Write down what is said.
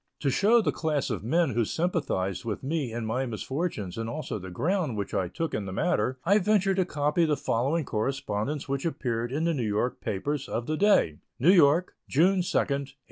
To show the class of men who sympathized with me in my misfortunes and also the ground which I took in the matter I venture to copy the following correspondence which appeared in the New York papers of the day: NEW YORK, June 2, 1856.